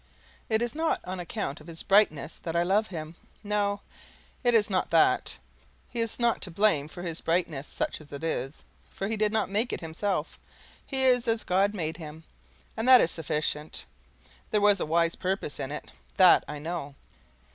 It is not on account of his brightness that I love him no, it is not that. He is not to blame for his brightness, such as it is, for he did not make it himself; he is as God make him, and that is sufficient. There was a wise purpose in it, THAT I know.